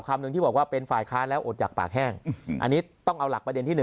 คำหนึ่งที่บอกว่าเป็นฝ่ายค้าแล้วอดหยากปากแห้งอันนี้ต้องเอาหลักประเด็นที่๑